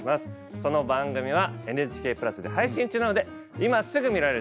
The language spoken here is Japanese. その番組は「ＮＨＫプラス」で配信中なので今すぐ見られるというわけです。